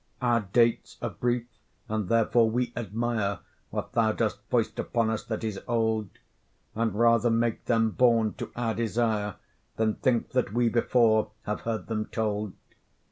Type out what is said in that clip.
Our dates are brief, and therefore we admire What thou dost foist upon us that is old; And rather make them born to our desire Than think that we before have heard them told.